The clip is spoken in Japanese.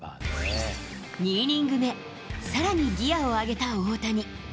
２イニング目、さらにギアを上げた大谷。